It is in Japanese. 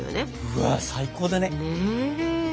うわっ最高だね。